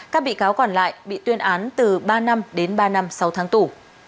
các bị cáo còn lại bị tuyên án từ ba năm đến ba năm sáu tháng tù